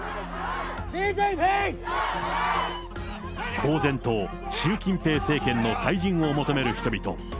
公然と習近平政権の退陣を求める人々。